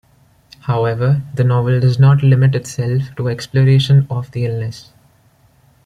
However, the novel does not limit itself to exploration of the illness.